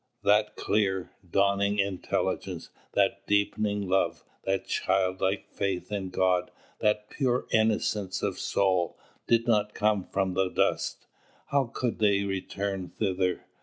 That clear, dawning intelligence, that deepening love, that childlike faith in God, that pure innocence of soul, did not come from the dust. How could they return thither?